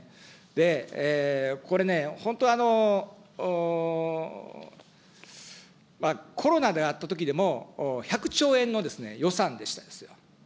で、これね、本当、あの、コロナであったときでも、１００兆円の予算でしたですよ。